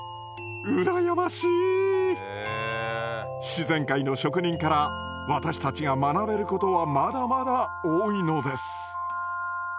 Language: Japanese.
自然界の職人から私たちが学べることはまだまだ多いのです。